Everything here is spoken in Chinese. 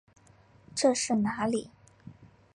这是哪里？